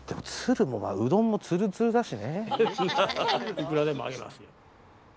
いくらでもあげますよ。